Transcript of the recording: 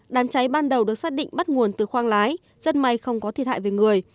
đám cháy ban đầu được xác định bắt nguồn từ khoang lái rất may không có thiệt hại về người